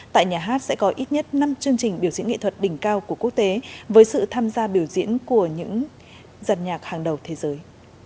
tại nhà hát sẽ có ít nhất năm chương trình biểu diễn nghệ thuật đỉnh cao của quốc tế với sự tham gia biểu diễn của những giàn nhạc hàng đầu thế giới